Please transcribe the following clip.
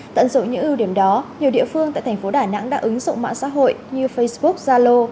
tận dụng những ưu điểm đó nhiều địa phương tại thành phố đà nẵng đã ứng dụng mạng xã hội như facebook zalo